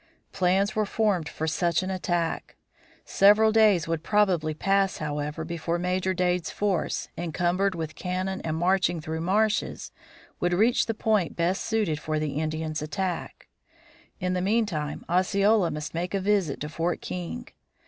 Plans were formed for such an attack. Several days would probably pass, however, before Major Dade's force, encumbered with cannon and marching through marshes, would reach the point best suited for the Indians' attack. In the meantime Osceola must make a visit to Fort King.